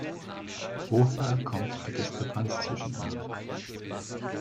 Woher kommt die Diskrepanz zwischen ihnen?